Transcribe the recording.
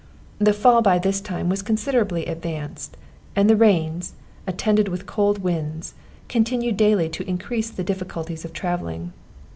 The fall by this time was considerably advanced, and the rains, attended with cold winds, continued daily to increase the difficulties of travelling.